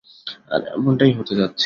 আর এমনটাই হতে যাচ্ছে।